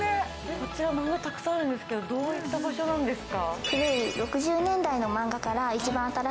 こちら、漫画がたくさんあるんですけどどういった場所なんですか？